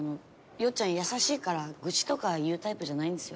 っちゃん優しいから愚痴とか言うタイプじゃないんですよ。